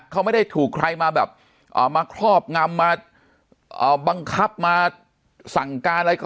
เขาไม่ได้ถูกใครมาแบบมาครอบงำมาบังคับมาสั่งการอะไรก็